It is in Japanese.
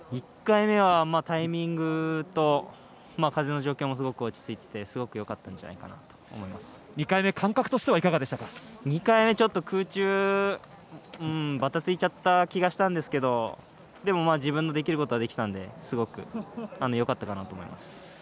１回目はタイミングと風の状況もすごく落ち着いていてすごくよかったんじゃないかと２回目、感覚としては２回目ちょっと空中ばたついちゃった気がしたんですがでも、自分のできることはできたのですごくよかったかなと思います。